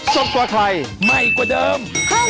สวัสดีครับ